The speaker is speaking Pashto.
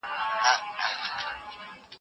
پدې سورت کي د حيوانانو بحث سته.